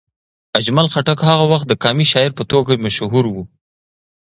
اجمل خټک هغه وخت د قامي شاعر په توګه مشهور و.